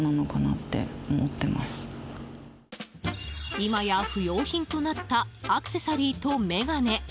今や不用品となったアクセサリーと眼鏡。